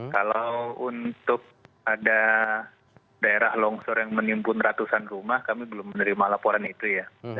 kalau untuk ada daerah longsor yang menimbun ratusan rumah kami belum menerima laporan itu ya